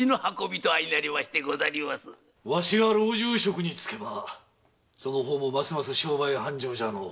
わしが老中職に就けばその方もますます商売繁盛じゃのう。